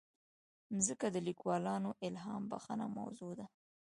مځکه د لیکوالو الهامبخښه موضوع ده.